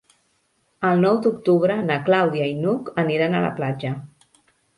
El nou d'octubre na Clàudia i n'Hug aniran a la platja.